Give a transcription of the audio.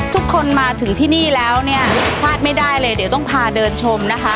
ทุกคนมาถึงที่นี่แล้วเนี่ยพลาดไม่ได้เลยเดี๋ยวต้องพาเดินชมนะคะ